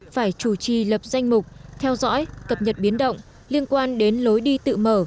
phải chủ trì lập danh mục theo dõi cập nhật biến động liên quan đến lối đi tự mở